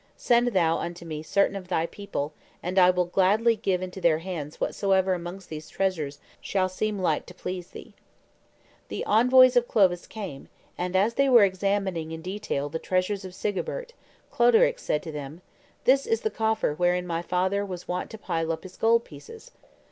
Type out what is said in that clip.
Send thou unto me certain of thy people, and I will gladly give into their hands whatsoever amongst these treasures shall seem like to please thee." The envoys of Clovis came, and, as they were examining in detail the treasures of Sigebert, Cloderic said to them, "This is the coffer wherein my father was wont to pile up his gold pieces."